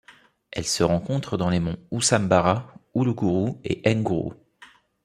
Elle se rencontre dans les monts Usambara, Uluguru et Nguru.